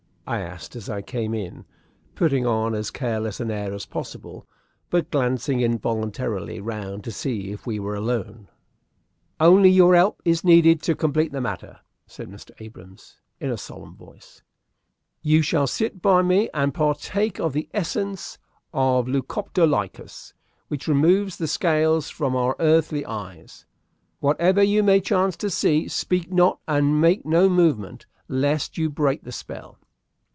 I asked as I came in, putting on as careless an air as possible, but glancing involuntarily round to see if we were alone. "Only your help is needed to complete the matter," said Mr. Abrahams, in a solemn voice. "You shall sit by me and partake of the essence of Lucoptolycus, which removes the scales from our earthly eyes. Whatever you may chance to see, speak not and make no movement, lest you break the spell."